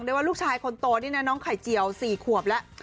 ว่าลูกชายคนโตนี่นะน้องไข่เจียว๔ขวบแล้ว